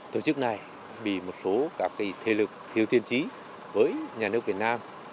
tổ chức này bị một số các cái thể lực thiếu thiên trí với nhà nước việt nam